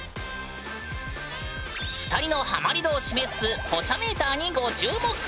２人のハマり度を示すポチャメーターにご注目！